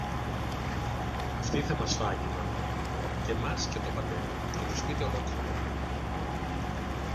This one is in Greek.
Αυτή θα μας φάγει, Μάνα, και μας και τον Πατέρα και το σπίτι ολόκληρο.